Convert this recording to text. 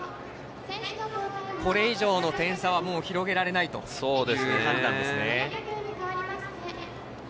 これ以上の点差は広げられないという判断ですね。